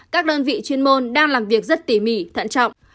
các đơn vị chuyên môn đang làm việc rất tỉ mỉ thận trọng